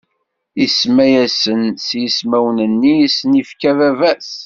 Isemma-asen s yismawen-nni i sen-ifka baba-s.